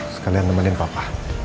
sekalian nemenin papa